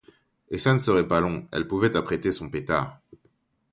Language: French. Et ça ne serait pas long, elle pouvait apprêter son pétard.